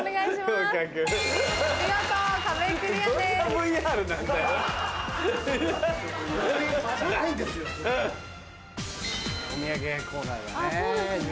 お土産屋コーナーだね。